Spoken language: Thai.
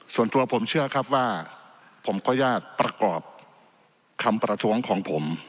ส่วนตัวผมเชื่อครับว่าผมขออนุญาตประกอบคำประท้วงของผม